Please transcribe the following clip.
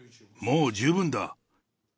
もう十分だ。